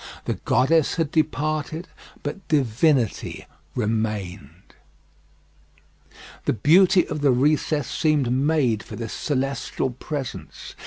The goddess had departed, but divinity remained. The beauty of the recess seemed made for this celestial presence.